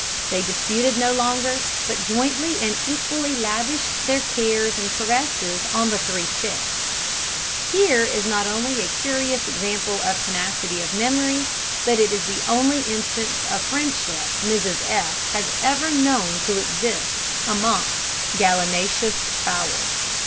They disputed no longer, but jointly and equally lavished their cares and caresses on the three chicks. Here is not only a curious example of tenacity of memory, but it is the only instance of friendship Mrs F has ever known to exist amongst gallinaceous fowl.